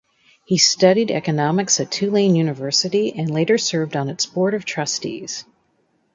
He studied economics at Tulane University and later served on its board of trustees.